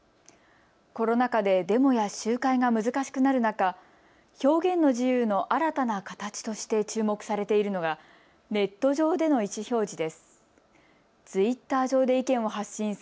コロナ禍でデモや集会が難しくなる中、表現の自由の新たなかたちとして注目されているのがネット上での意思表示です。